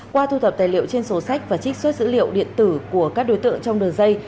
qua thu thập tài liệu trên sổ sách và trích xuất dữ liệu điện tử của các đối tượng trong đường dây